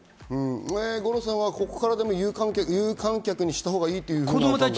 五郎さんは、ここからでも有観客にしたほうがいいと思う。